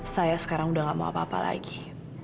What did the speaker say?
saya sekarang udah gak mau apa apa lagi